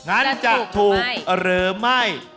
อ่าจะถูกหรือไม่